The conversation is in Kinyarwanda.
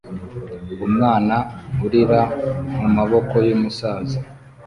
Umwana urira mumaboko yumusaza